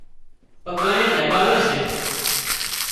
پڳانئي لڳاوي سي